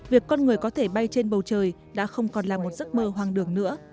việc con người có thể bay trên bầu trời đã không còn là một giấc mơ hoang đường nữa